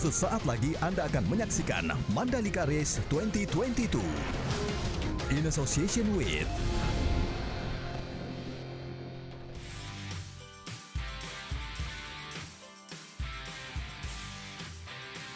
sesaat lagi anda akan menyaksikan mandalika race dua ribu dua puluh dua in association with